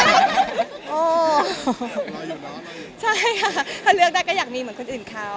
ใช่ค่ะถ้าเลือกได้ก็อยากมีเหมือนคนอื่นเขา